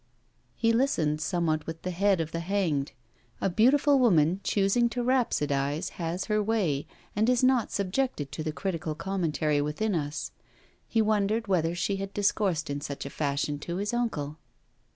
He listened somewhat with the head of the hanged. A beautiful woman choosing to rhapsodize has her way, and is not subjected to the critical commentary within us. He wondered whether she had discoursed in such a fashion to his uncle.